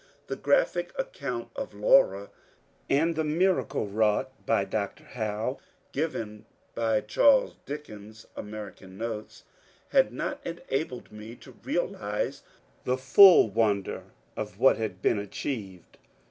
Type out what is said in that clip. The graphic account of Laura and of the miracle wrought by Dr. Howe, given by Charles Dick ens Q^ American Notes "), had not enabled me to realize the full wonder of what had been achieved.